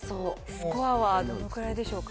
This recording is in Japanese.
スコアはどのくらいでしょうか。